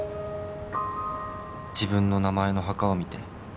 「自分の名前の墓を見て」